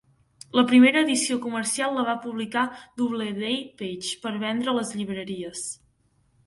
La primera edició comercial la va publicar Doubleday Page per vendre a les llibreries..